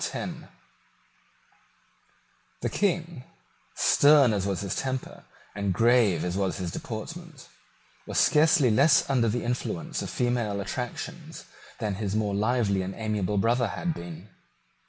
The King, stern as was his temper and grave as was his deportment, was scarcely less under the influence of female attractions than his more lively and amiable brother had been.